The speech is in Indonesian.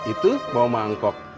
itu mau mangkok